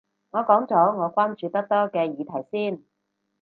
我講咗我關注得多嘅議題先